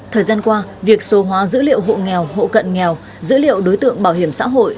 thời gian qua việc số hóa dữ liệu hộ nghèo hộ cận nghèo dữ liệu đối tượng bảo hiểm xã hội